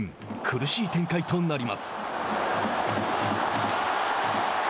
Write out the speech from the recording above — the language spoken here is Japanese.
苦しい展開となります。